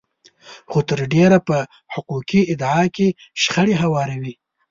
خو تر ډېره په حقوقي ادعا کې شخړې هواروي.